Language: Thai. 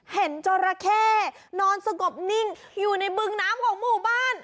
เห็นจรแค่นอนสกบนิ่งอยู่ในเบื้องน้ำของหมู่บ้าน